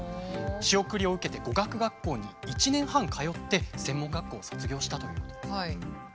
仕送りを受けて語学学校に１年半通って専門学校を卒業したということです。